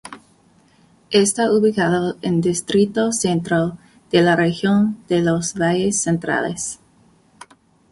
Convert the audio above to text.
Está ubicado en distrito Centro, de la región de los Valles Centrales.